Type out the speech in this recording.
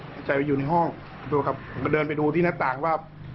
เข้าใจว่าอยู่ในห้องดูครับมาเดินไปดูที่หน้าต่างว่า